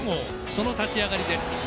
その立ち上がりです。